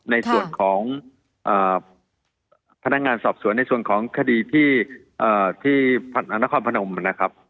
ในส่วนของพนักงานสอบสวนในส่วนของคดีที่นครพนมนะครับ